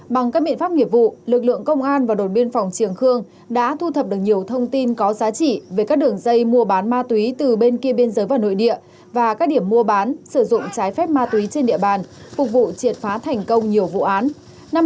bằng các biện pháp nghiệp vụ lực lượng công an và đồn biên phòng triềng khương đã thu thập được nhiều thông tin có giá trị về các đường dây mua bán ma túy từ bên kia biên giới vào nội địa và các điểm mua bán sử dụng trái phép ma túy trên địa bàn phục vụ triệt phá thành công nhiều vụ án